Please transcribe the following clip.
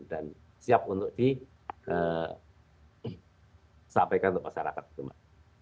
dan siap untuk disampaikan untuk masyarakat